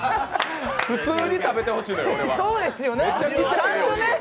普通に食べてほしいのよ。